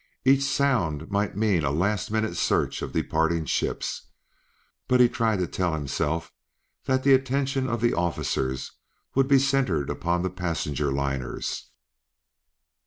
Each sound might mean a last minute search of departing ships, but he tried to tell himself that the attention of the officers would be centered upon the passenger liners.